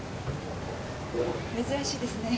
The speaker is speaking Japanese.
珍しいですね。